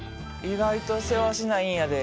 意外とせわしないんやで。